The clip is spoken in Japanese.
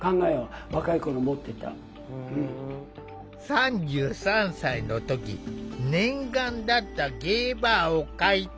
３３歳の時念願だったゲイバーを開店。